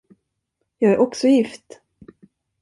Jag är också gift.